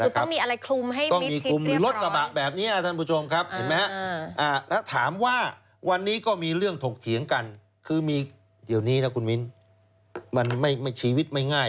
อ๋อคือต้องมีอะไรคลุมให้มิตรทิศเรียบร้อย